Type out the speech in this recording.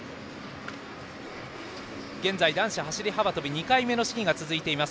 現在、男子走り幅跳び２回目の試技が続いています。